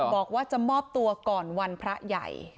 บอกว่าจะมอบตัวก่อนวันพระใหญ่